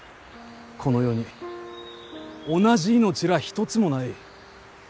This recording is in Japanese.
この世に同じ命らあ一つもない。